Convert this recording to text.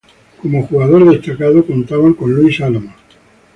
Como jugador destacado contaban con Luis Álamos.